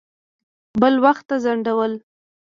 بل وخت ته ځنډول.